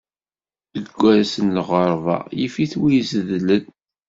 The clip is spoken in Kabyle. Deg wass n lɣeṛga, yif-it win izedlen.